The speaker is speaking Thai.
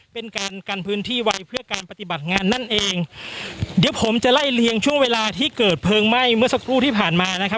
เป็นการกันพื้นที่ไว้เพื่อการปฏิบัติงานนั่นเองเดี๋ยวผมจะไล่เลียงช่วงเวลาที่เกิดเพลิงไหม้เมื่อสักครู่ที่ผ่านมานะครับ